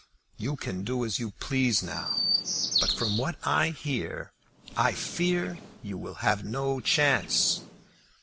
You can do as you please now; but, from what I hear, I fear you will have no chance."